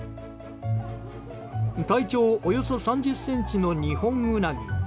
体長およそ３０ｃｍのニホンウナギ。